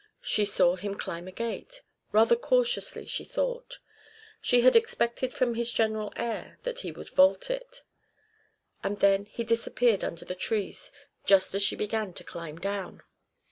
She saw him climb a gate rather cautiously, she thought; she had expected from his general air that he would vault it; and then he disappeared under the trees just as she began to climb down.